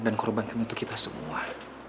korbankan untuk kita semua